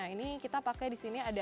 ini kita pakai di sini ada empat sisa